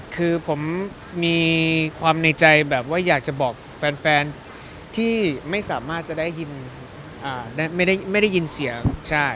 คือผมมีความในใจแบบว่าอยากจะบอกแฟนที่ไม่สามารถจะได้ยินไม่ได้ยินเสียง